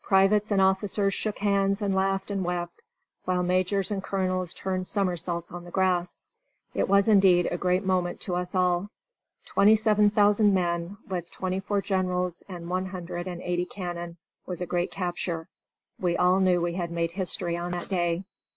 Privates and officers shook hands and laughed and wept, while majors and colonels turned somersaults on the grass. It was indeed a great moment to us all. Twenty seven thousand men, with twenty four generals and one hundred and eighty cannon, was a great capture. We all knew we had made history on that day.